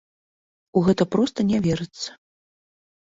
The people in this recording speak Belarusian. У гэта проста не верыцца.